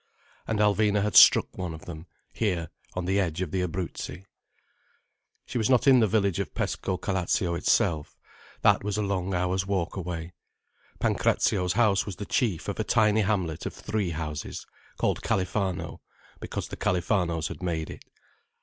And Alvina had struck one of them, here on the edge of the Abruzzi. She was not in the village of Pescocalascio itself. That was a long hour's walk away. Pancrazio's house was the chief of a tiny hamlet of three houses, called Califano because the Califanos had made it.